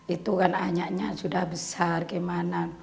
itu kan anyaknya sudah besar gimana